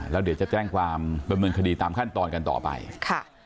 แล้วเดี๋ยวจะแจ้งความดำเนินคดีตามขั้นตอนกันต่อไปค่ะ